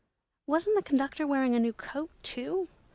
Wasn't the conductor wearing a new coat, too?